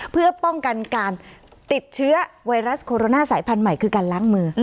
เพื่อป้องกันการติดเชื้อไวรัสโคโรนาสายพันธุ์ใหม่คือการล้างมือ